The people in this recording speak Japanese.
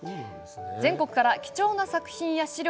全国から貴重な作品や資料